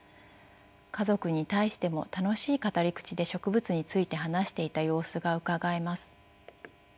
家族に対しても楽しい語り口で植物について話していた様子がうかがえます。